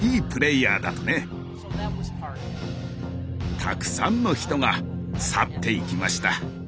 たくさんの人が去っていきました。